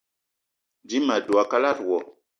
Dím ma dwé a kalada wo